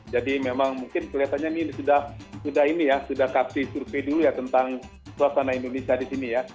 jadi memang mungkin kelihatannya ini sudah ini ya sudah kasih survei dulu ya tentang suasana indonesia di sini ya